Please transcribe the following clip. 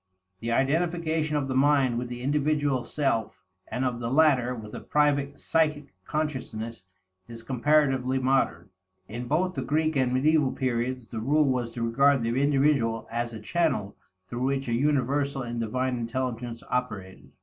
The identification of the mind with the individual self and of the latter with a private psychic consciousness is comparatively modern. In both the Greek and medieval periods, the rule was to regard the individual as a channel through which a universal and divine intelligence operated.